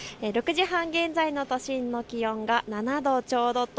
６時半現在の都心の気温は７度ちょうど。